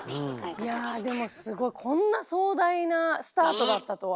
いやでもすごいこんな壮大なスタートだったとは。